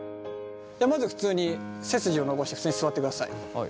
まず普通に背筋を伸ばして普通に座ってください。